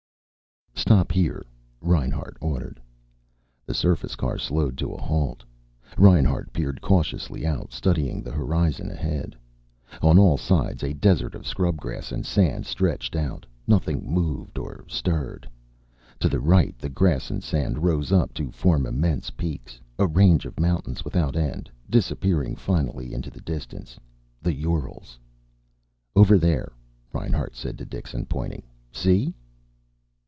"Stop here," Reinhart ordered. The surface car slowed to a halt. Reinhart peered cautiously out, studying the horizon ahead. On all sides a desert of scrub grass and sand stretched out. Nothing moved or stirred. To the right the grass and sand rose up to form immense peaks, a range of mountains without end, disappearing finally into the distance. The Urals. "Over there," Reinhart said to Dixon, pointing. "See?"